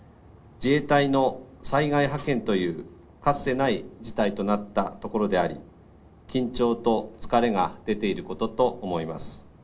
自衛隊の災害派遣というかつてない事態となったところであり緊張と疲れが出ていることと思います。